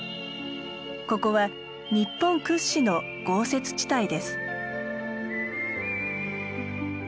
ここは日本屈指の豪雪地帯です。